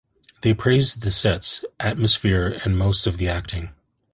They praised the sets, atmosphere, and most of the acting.